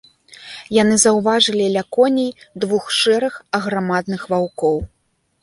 Яны заўважылі ля коней двух шэрых аграмадных ваўкоў.